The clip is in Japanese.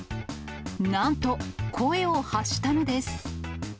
なんと、声を発したのです。